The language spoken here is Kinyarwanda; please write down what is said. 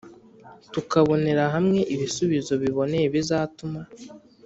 tukabonera hamwe ibisubizo biboneye bizatuma